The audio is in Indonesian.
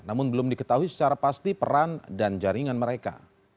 namun belum diketahui secara pasti peran dan jaringan mereka